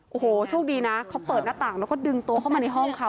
โอ้โหโชคดีนะเขาเปิดหน้าต่างแล้วก็ดึงตัวเข้ามาในห้องเขา